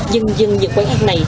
dân dân nhận quán ăn này